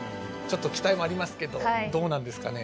期待もありますけどどうなんですかね？